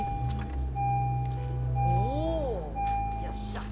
おぉよっしゃ！